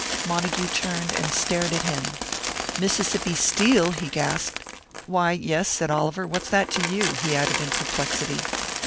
Montague turned and stared at him. "Mississippi Steel!" he gasped. "Why, yes," said Oliver. "What's that to you?" he added, in perplexity.